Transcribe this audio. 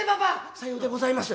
「さようでございます。